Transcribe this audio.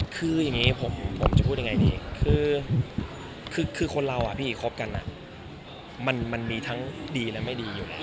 คืออย่างนี้ผมจะพูดยังไงดีคือคนเราอ่ะพี่คบกันมันมีทั้งดีและไม่ดีอยู่แล้ว